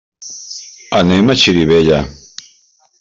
Anem a Xirivella.